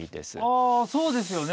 あそうですよね。